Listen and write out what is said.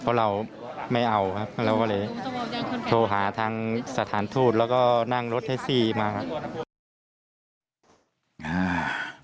เพราะเราไม่เอาครับเราก็เลยโทรหาทางสถานทูตแล้วก็นั่งรถแท็กซี่มาครับ